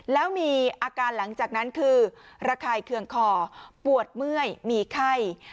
แล้วมีอาการหลังจากนั้นคือระคายเคืองคอปวดเมื่อยมีไข้